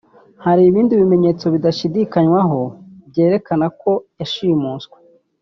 Hari n’ibindi bimenyetso bidashidikanywaho byerekana ko yashimuswe